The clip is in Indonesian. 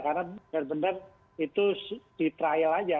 karena benar benar itu di trial saja